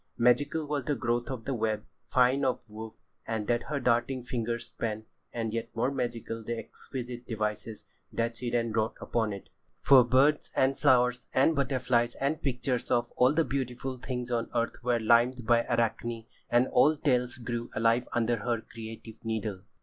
Magical was the growth of the web, fine of woof, that her darting fingers span, and yet more magical the exquisite devices that she then wrought upon it. For birds and flowers and butterflies and pictures of all the beautiful things on earth were limned by Arachne, and old tales grew alive again under her creative needle.